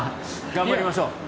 頑張りましょう。